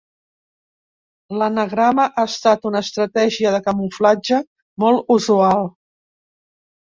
L'anagrama ha estat una estratègia de camuflatge molt usual.